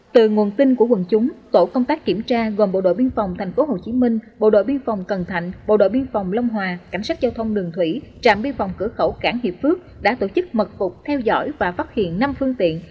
từ nguồn tin của quần chúng tổ công tác kiểm tra gồm bộ đội biên phòng tp hcm bộ đội biên phòng cần thạnh bộ đội biên phòng long hòa cảnh sát giao thông đường thủy trạm biên phòng cửa khẩu cảng hiệp phước đã tổ chức mật phục theo dõi và phát hiện năm phương tiện